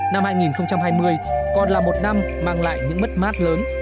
năm hai nghìn hai mươi còn là một năm mang lại những mất mát lớn